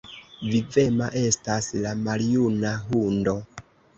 Vivema estas la maljuna hundo!